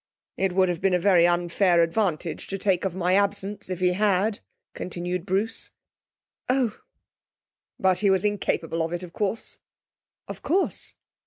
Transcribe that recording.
'It would have been a very unfair advantage to take of my absence if he had,' continued Bruce. 'Oh!' 'But he was incapable of it, of course.' 'Of course.'